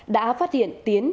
đã phát hiện tiến